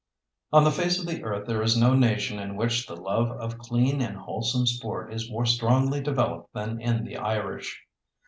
On the face of the earth there is no nation in which the love of clean and wholesome sport is more strongly developed than in the Irish.